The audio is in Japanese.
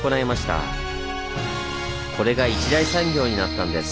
これが一大産業になったんです。